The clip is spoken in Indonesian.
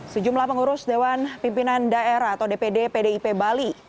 sejumlah pengurus dewan pimpinan daerah atau dpd pdip bali